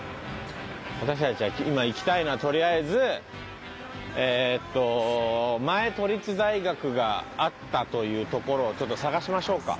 私たちは今行きたいのはとりあえずえっと前都立大学があったというところをちょっと探しましょうか。